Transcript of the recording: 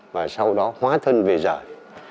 và sau đó hóa thân về giời